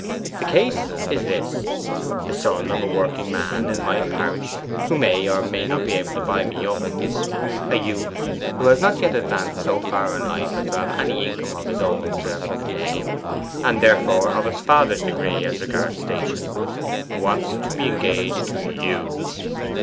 The case is this: the son of a working man in my parish who may or may not be able to buy me up a youth who has not yet advanced so far into life as to have any income of his own deserving the name, and therefore of his father's degree as regards station wants to be engaged to you.